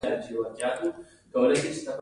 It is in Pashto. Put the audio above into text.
د مبارک علي د مقالو ژباړه څو کاله پخوا پیل شوه.